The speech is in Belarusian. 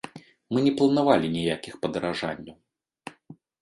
Мы не планавалі ніякіх падаражанняў.